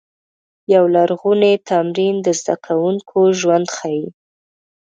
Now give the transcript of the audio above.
یو لرغونی تمرین د زده کوونکو ژوند ښيي.